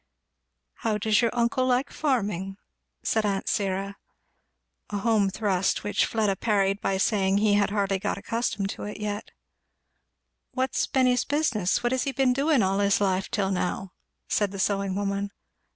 "How does your uncle like farming?" said aunt Syra. A home thrust, which Fleda parried by saying he had hardly got accustomed to it yet. "What's been his business? what has he been doing all his life till now?" said the sewing woman.